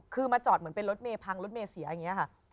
คือมาจอดเหมือนเป็นรถเมยพังรถเมย์เสียอย่างนี้ค่ะ